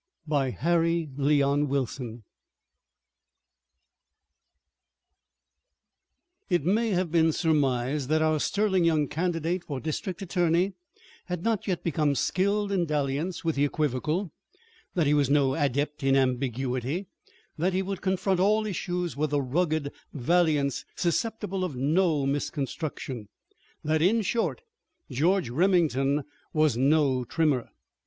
BY HARRY LEON WILSON It may have been surmised that our sterling young candidate for district attorney had not yet become skilled in dalliance with the equivocal; that he was no adept in ambiguity; that he would confront all issues with a rugged valiance susceptible of no misconstruction; that, in short, George Remington was no trimmer.